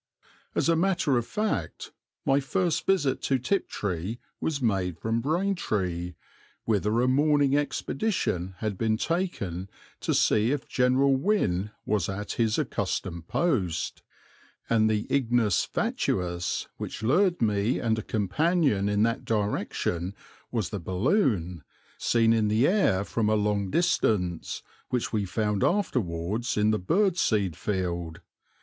As a matter of fact, my first visit to Tiptree was made from Braintree, whither a morning expedition had been taken to see if General Wynne was at his accustomed post, and the ignis fatuus which lured me and a companion in that direction was the balloon, seen in the air from a long distance, which we found afterwards in the bird seed field.